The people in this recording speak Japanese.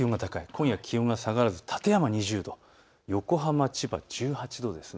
今夜気温は下がらず館山２０度、横浜、千葉１８度です。